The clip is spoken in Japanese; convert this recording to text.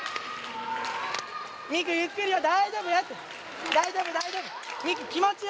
美空ゆっくりよ大丈夫やって大丈夫大丈夫美空気持ちよ